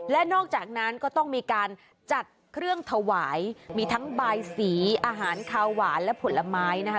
และนอกจากนั้นก็ต้องมีการจัดเครื่องถวายมีทั้งบายสีอาหารคาวหวานและผลไม้นะคะ